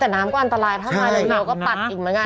แต่น้ำก็อันตรายถ้ามาเร็วก็ปัดอีกเหมือนกัน